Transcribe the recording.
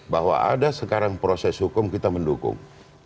bahwa ada sekarang proses hukum kita mendukung